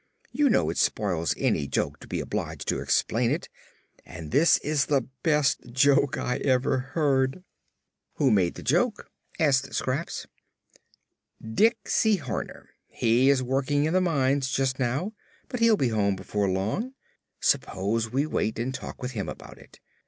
You know it spoils any joke to be obliged to explain it, and this is the best joke I ever heard." "Who made the joke?" asked Scraps. "Diksey Horner. He is working in the mines, just now, but he'll be home before long. Suppose we wait and talk with him about it?